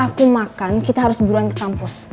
aku mau makan kita harus buruan ke kampus